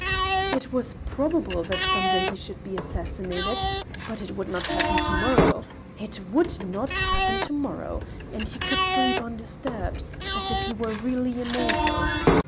It was probable that some day he should be assassinated, but it would not happen to morrow—it would not happen to morrow—and he could sleep undisturbed, as if he were really immortal.